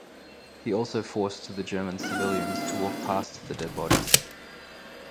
He also forced the German civilians to walk past the dead bodies.